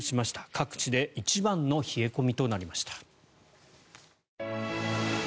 各地で一番の冷え込みとなりました。